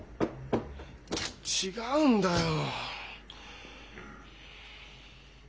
違うんだよ。